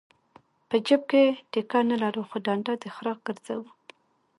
په جیب کې ټکه نه لرو خو ډنډه د خره ګرځو.